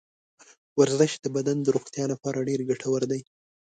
ورزش د بدن د روغتیا لپاره ډېر ګټور دی.